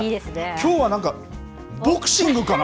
きょうはなんか、ボクシングかな。